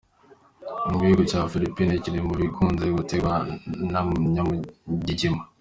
Igihugu ca Philippines kiri mu bikunze gutegwa na Nyamugigima.